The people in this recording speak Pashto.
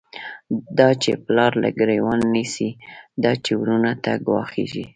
دا چی پلار له گریوان نیسی، دا چی وروڼو ته گوا ښیږی